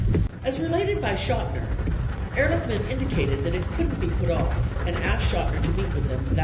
As related by Chotiner, Ehrlichman indicated that it couldn't be put off and asked Chotiner to meet with them that night.